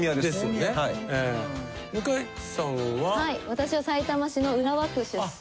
私はさいたま市の浦和区出身。